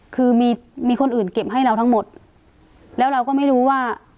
คือมีมีคนอื่นเก็บให้เราทั้งหมดแล้วเราก็ไม่รู้ว่า